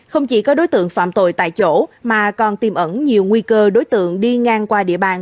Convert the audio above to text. không chỉ có đối tượng phạm tội tại chỗ mà còn tìm ẩn nhiều nguy cơ đối tượng đi ngang qua địa bàn